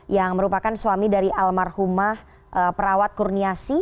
yang merupakan suami dari almarhumah perawat kurniasi